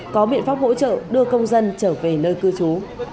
có biện pháp hỗ trợ đưa công dân trở về nơi cư trú